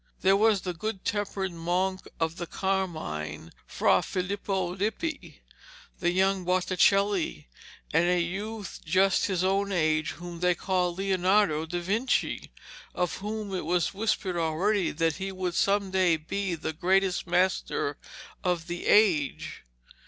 There was the good tempered monk of the Carmine, Fra Filipo Lippi, the young Botticelli, and a youth just his own age whom they called Leonardo da Vinci, of whom it was whispered already that he would some day be the greatest master of the age.